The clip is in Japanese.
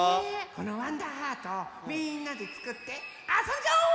このわんだーハートをみんなでつくってあそんじゃおう！